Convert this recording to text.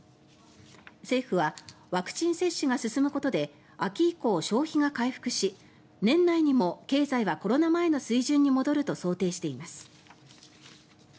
政府はワクチン接種が進むことで秋以降、消費が回復し年内にも経済はコロナ前の水準に戻ると想定しています。